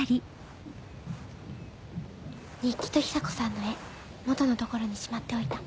日記と久子さんの絵元のところにしまっておいた。